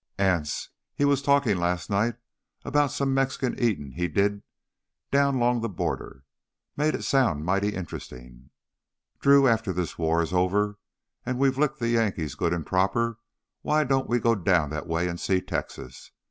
"Anse, he was talkin' last night about some Mexican eatin' he did down 'long the border. Made it sound mighty interestin'. Drew, after this war is over and we've licked the Yankees good and proper, why don't we go down that way and see Texas?